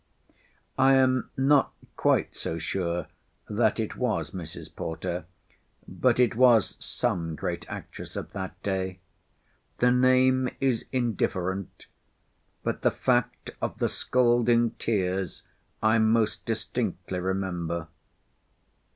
I am not quite so sure that it was Mrs. Porter; but it was some great actress of that day. The name is indifferent; but the fact of the scalding tears I most distinctly remember.